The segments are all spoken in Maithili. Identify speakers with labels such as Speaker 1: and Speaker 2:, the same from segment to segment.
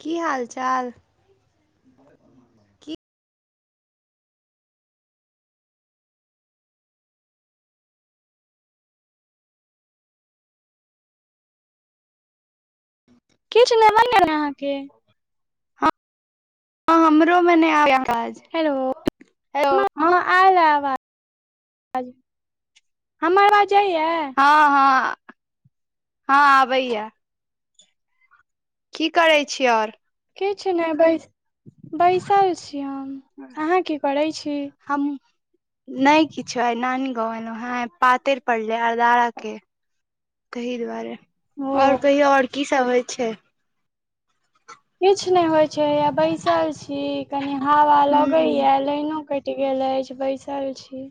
Speaker 1: की हाल चाल? की
Speaker 2: किछ लेबै ने अहाँके।
Speaker 1: हँ हमरो मे नहि आइ अहाक अवाज।
Speaker 2: हेलो! हँ आयल आवाज, हमर आवाज जाइए?
Speaker 1: हँ -हँ -हँ, आबैया। की करै छिय आओर?
Speaker 2: किछ नहि बै बैसल छी हम। अहाँ की करैय छी?
Speaker 1: हम नहि किछो, आइ नानी गाँव एलहु हं, पातरि पड़ले अरदारा के। तहि दुआरे,
Speaker 2: ओ
Speaker 1: आओर कहियो, आओर की सब होइ छै?
Speaker 2: किछ नहि होइ छै, यै बैसल छी, कनी हवा
Speaker 1: हूं
Speaker 2: लगैया, लाइनो कट ट गेल अछि बैसल छी,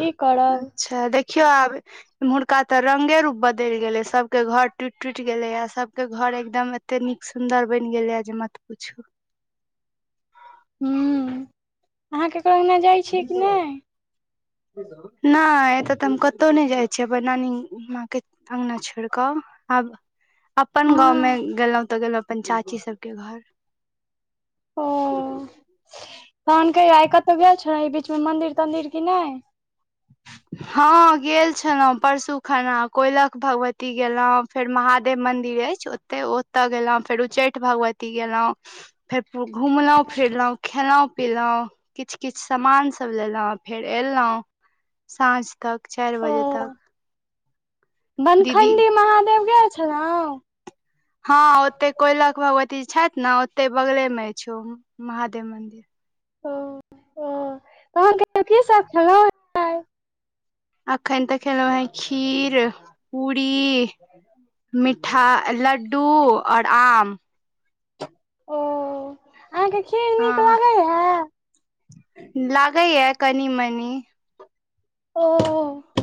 Speaker 2: की करब?
Speaker 1: त देखियो आब। एम्हुरका ते रंगे रूप बदलि गेले, सब के घर टूट- टूट गेले आ सबके घर एकदम एते नीक सुदर बन गेल ये जे मत पुछू।
Speaker 2: ह अहाँ केकरो जाइ छियै
Speaker 1: जी
Speaker 2: कि
Speaker 1: सर
Speaker 2: नहि
Speaker 1: जी स नहि एतय तऽ हम कतहु नहि जाइ छियै अपन नानी माँ के अंगना छोड़ कऽ आब अपन गाँवमे
Speaker 2: हँ
Speaker 1: गेलहुँ तऽ गेलहुँ अपन चाची सभके घर।
Speaker 2: ओ
Speaker 1: [inaudible]
Speaker 2: तहन कह आइ कतहु गेल छल ई बीचमे मन्दिर तन्दिर कि नहि।
Speaker 1: [inaudible] हँ गेल छलहुँ परसु खना कोयलख भगवती गेलहुँ फेर महादेव मन्दिर अछि तऽ ओतय गेलहुँ फेर उच्चैठ भगवती गेलहुँ। फेर घुमलहुँ फिरलहुँ खेलहुँं। पिलों किछ किछ सामान सब लेलहुँ फेर एलहुँ। साँझ तक चा
Speaker 2: ओ
Speaker 1: दीदी
Speaker 2: बनखण्डी महादेव गेल छलहु।
Speaker 1: हँ ओते कोलख भगवती छथि ने ओते बगले मे छौ महादेव मंदिर।
Speaker 2: [inaudible]
Speaker 1: अखन तऽ खेलों ह खीर पूरी मिठा लड्डू आओर आम।
Speaker 2: ओ अहाँके खीर नीक लगै है
Speaker 1: लागैय कनि मनी।
Speaker 2: ओ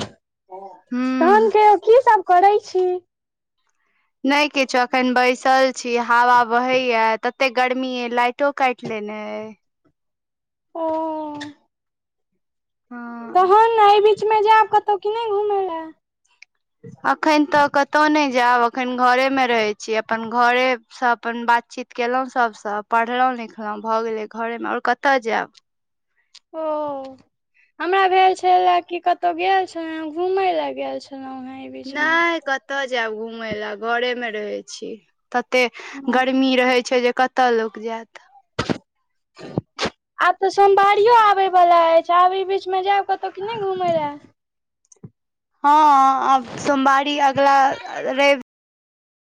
Speaker 2: तहन
Speaker 1: हूँ
Speaker 2: कहियो की सब करै छी।
Speaker 1: नै किछु अखन बैसल छी हवा बहैया तते गर्मी य लाइटो काइट लेने ये।
Speaker 2: ओ
Speaker 1: हँ
Speaker 2: तहन एहि बीच मे जायब कतहु की नहि घुमय लए।
Speaker 1: अखन तऽ कतहु नहि जायब अखन घरेमे रहैत छी अपन घरे सँ अपन बातचीत केलहुँ सभसँ पढ़लहुँ लिखलहुँ भऽ गेलै घरेमे आओर कतय जायब।
Speaker 2: ओ। हमरा भेल छल ले की कतहु गेल छलो घूमे ले गेल छलो हे।
Speaker 1: नहि कतऽ जायब घुमय लए घरे मे रहै छी। ततेक
Speaker 2: हँ
Speaker 1: गर्मी रहैत छैय जे कतय लोक जायत।
Speaker 2: आब तऽ सोमवारियो आबय वला अछि आब एहि बीचमे जायब कतहु कि नहि घुमय लए।
Speaker 1: हँ आ
Speaker 2: हँ
Speaker 1: सोमवारी अगला रैब।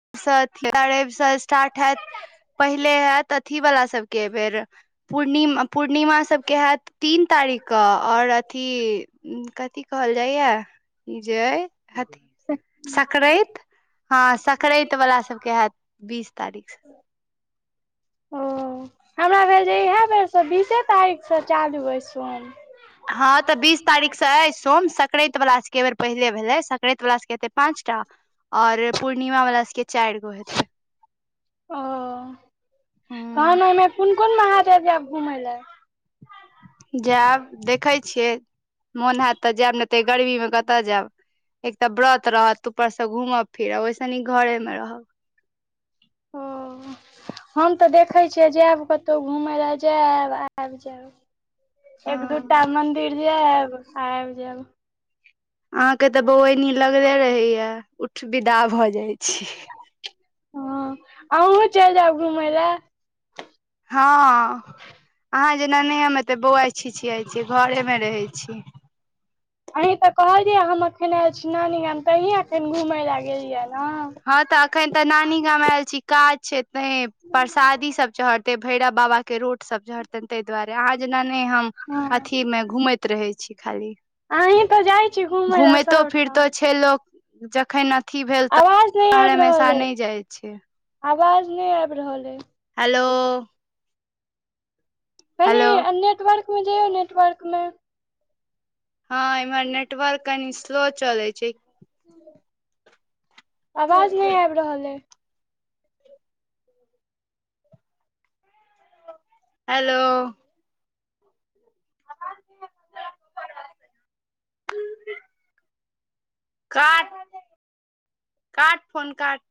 Speaker 1: [inaudible] पहिले होयत अथी वला सबके बेेर पूर्णिमा। पूर्णिमा सबके हाएत तीन तारीखके आओर अथी कथी कहल जाइया जे अथ
Speaker 2: से
Speaker 1: सकराति ह सक [unintelligible] बला सबके होयत बीस तारीख से।
Speaker 2: ओ हमरा भेल जे इएह बेरसँ बीसे तारीख से चालू अइ सोम।
Speaker 1: हँ तऽ बीस तारीखसँ अइ सोम संक्राति वला सभके बेर पहिले भेलै संक्राति वला सभके हतै पाँच टा। और पूर्णिमा वाला सबके चारि गो हेते।
Speaker 2: ओ
Speaker 1: हूँ
Speaker 2: तहन ओहिमे कोन कोन महादेव जायब घुमय लए।
Speaker 1: जायब देखै छियै मोन हत तऽ जायब ने ते गर्मी मे कतऽ जायब। एक तऽ व्रत रहत ऊपर से घूमब फिरब ओहिस नीक घरे मे रहब।
Speaker 2: ओ हम त देखै छियै जाएब कतौ घुमै ले जाएब आबि जाएब। [inaudible] एक दूटा
Speaker 1: हँ
Speaker 2: मन्दिर जाएब आबि जाएब।
Speaker 1: अहाँके त बौअइनी लगले रहैया उठि विदा भ जाइ छी।
Speaker 2: हँ, अहुँ चलि जाएब घुमै ले‌।
Speaker 1: हँ, [inaudible] अहाँ जेना नै हम एते बौआइ छिछिआइ छी, घरेमे रहै छी।
Speaker 2: अहीं त कहलियैआ हम एखनि आएल छी नानी गाम त अहीं एखन घुमै ले गेलिअइया न।
Speaker 1: हँ त अखन त नानी गाम आएल छी। काज छै तैं परसादी सब चढ़ तै, भैरव बाबा के रोट सब चहरतनि तै दुआरे। अहाँ जेना नै हम
Speaker 2: हँ
Speaker 1: अथी में घुमैत त रहै छी खाली।
Speaker 2: अहीं तऽ जाइ छी
Speaker 1: [inaudible]
Speaker 2: घुमय लए
Speaker 1: घुमैतो फिरतो
Speaker 2: सबठाम
Speaker 1: छै लोक जखन अथी भेल त
Speaker 2: नै आबि रहल ऐ। [inaudible] आवाज नै आबि रहल ऐ।
Speaker 1: हेलो
Speaker 2: कनी
Speaker 1: हेलो
Speaker 2: नेटवर्कमें जइयौ नेटवर्क मे।
Speaker 1: हं एम्हर नेटवर्क कनी स्लो चलै छै।
Speaker 2: आवाज नै आबि रहल ऐ।
Speaker 1: हेलो काट [inaudible] काट फोन काट।